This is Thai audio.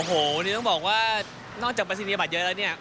โอ้โหนี่ต้องบอกว่านอกจากปริศนียบัตรเยอะแล้วเนี่ย